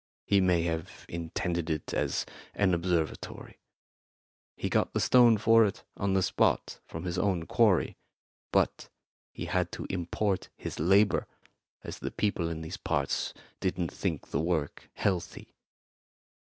He may have intended it as an observatory. He got the stone for it on the spot from his own quarry, but he had to import his labour, as the people in these parts didn't think the work healthy.